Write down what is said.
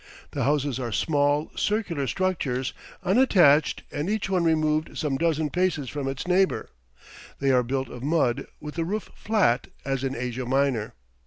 The houses are small, circular structures, unattached, and each one removed some dozen paces from its neighbor; they are built of mud with the roof flat, as in Asia Minor.